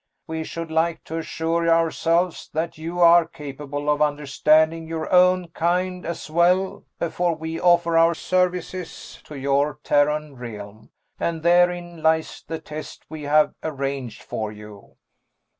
We should like to assure ourselves that you are capable of understanding your own kind as well before we offer our services to your Terran Realm and therein lies the test we have arranged for you."